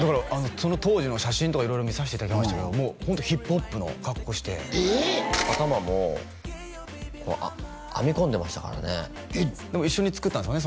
その当時の写真とか色々見させていただきましたけどもうホントヒップホップの格好してえーっ頭も編み込んでましたからねえっでも一緒に作ったんですもんね